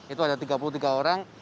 itu ada tiga puluh tiga orang